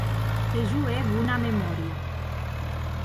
Que jo è bona memòria.